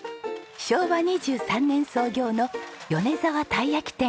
昭和２３年創業の米澤たいやき店。